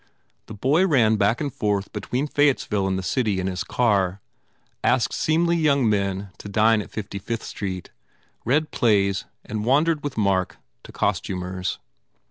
The boy ran back and forth between Fayettesville and the city in his car, asked seemly young men to dine in Fifty Fifth Street, read plays and wan dered with Mark to costumers.